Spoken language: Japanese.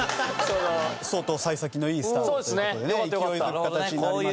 相当幸先のいいスタートという事でね勢いづく形になりました。